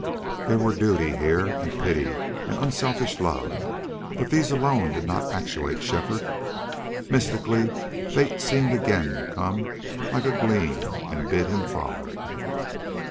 There were duty here and pity and unselfish love, but these alone did not actuate Shefford. Mystically fate seemed again to come like a gleam and bid him follow.